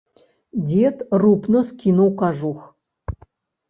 Дзед рупна скінуў кажух.